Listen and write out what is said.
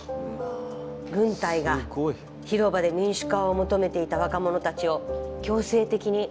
軍隊が広場で民主化を求めていた若者たちを強制的に排除しました。